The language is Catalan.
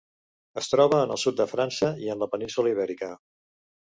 Es troba en el sud de França i en la península Ibèrica.